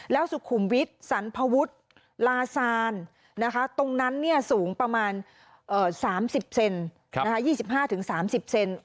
แล้วสุขุมวิสสันพวุฒิราซานตรงนั้นสูงประมาณ๒๕ถึง๓๐เซน